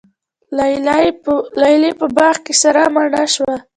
لیلی په باغ کي سره مڼه شوه